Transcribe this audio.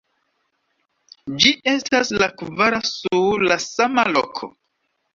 Ĝi estas la kvara sur la sama loko.